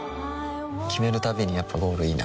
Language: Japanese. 決めるたびにやっぱゴールいいなってふん